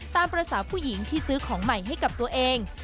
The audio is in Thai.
ตามภาษาผู้หญิงที่ซื้อของใหม่ให้กับตัวเอง